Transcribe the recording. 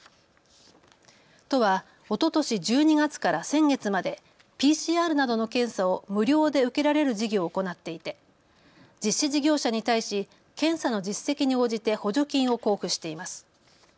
都はおととし１２月から先月までＰＣＲなどの検査を無料で受けられる事業を行っていて実施事業者に対し検査の実績に応じて補助金を交付しています。